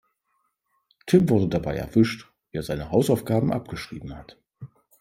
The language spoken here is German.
Tim wurde dabei erwischt, wie er seine Hausaufgaben abgeschrieben hat.